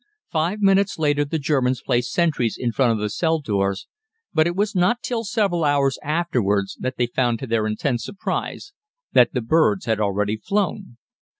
Five minutes later the Germans placed sentries in front of the cell doors, but it was not till several hours afterwards that they found to their intense surprise that the birds had already flown.